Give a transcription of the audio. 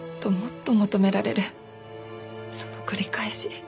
その繰り返し。